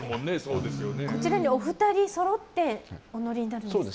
こちらにお二人そろってお乗りになるんですか。